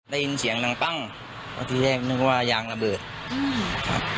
ได้ยินเสียงดังปั้งเพราะที่แรกนึกว่ายางระเบิดอืมครับ